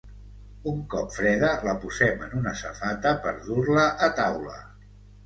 Un cop freda, la posem en una safata per dur-la a taula.